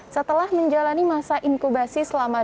setelah menjalani masa inkubasi selama dua puluh empat jam